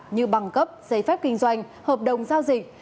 như băng cấp giấy phép kinh doanh hợp đồng giao dịch